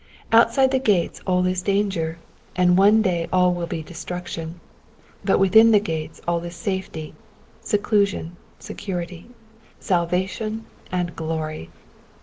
Outside the gates all is danger, and one day all will be destruction ; but within the gates all is safety, seclusion, serenity, salvation, and glory.